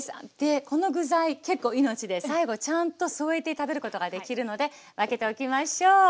この具材結構命で最後ちゃんと添えて食べることができるので分けておきましょう。